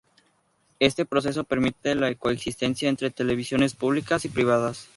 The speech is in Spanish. Este proceso permite la coexistencia entre televisiones públicas y privadas.